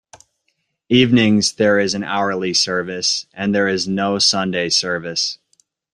Evenings there is an hourly service and there is no Sunday service.